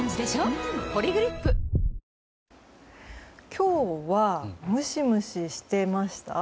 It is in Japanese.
今日は天気ムシムシしてました？